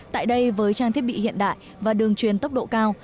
tại đây với trang thiết bị hiện đại và đường truyền tốc độ cao